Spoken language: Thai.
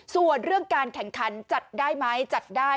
ส่วนเรื่องการแข่งขันจัดได้ไหมจัดได้